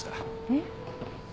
えっ？